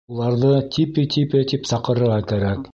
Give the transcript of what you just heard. Уларҙы типе-типе тип саҡырырға кәрәк.